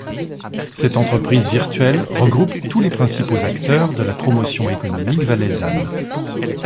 Cette entreprise virtuelle regroupe tous les principaux acteurs de la promotion économique valaisanne.